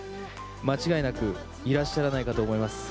間違いなくいらっしゃらないかと思います。